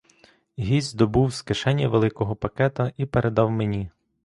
Гість добув з кишені великого пакета і передав мені.